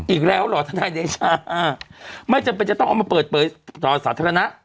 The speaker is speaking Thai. อีกแล้วหรอท่านท่านเนชาไม่จำเป็นจะต้องเอามาเปิดประสาทธนนะ